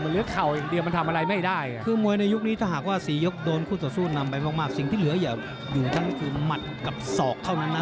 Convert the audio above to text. แล้วมวยเวลาใส่กันมายืดเหลือ๔ยก